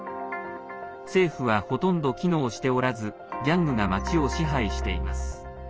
政府は、ほとんど機能しておらずギャングが町を支配しています。